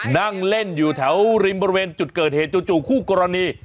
นั่งเล่นอยู่แถวริมบริเวณจุดเกิดเหตุจู่คู่กรณี